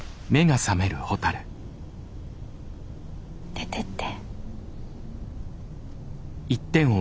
出てって。